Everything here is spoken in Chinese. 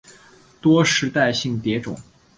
多世代性蝶种。